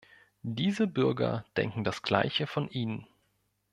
Diese Bürger denken das Gleiche von Ihnen.